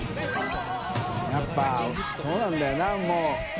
笋辰そうなんだよなもう。